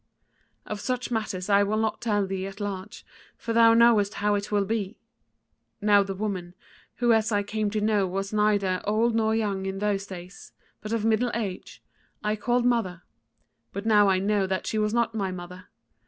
Of such matters I will not tell thee at large, for thou knowest how it will be. Now the woman, who as I came to know was neither old nor young in those days, but of middle age, I called mother; but now I know that she was not my mother.